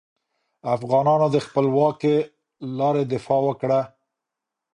افغانانو د خپلواکې لارې دفاع وکړه.